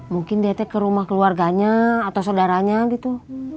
mungkin diet ke rumah keluarganya atau saudaranya gitu